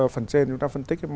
phần trên chúng ta phân tích